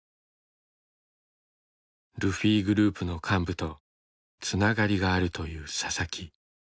ルフィグループの幹部とつながりがあるというササキ。